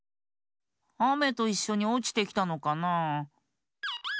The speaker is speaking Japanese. あめといっしょにおちてきたのかな？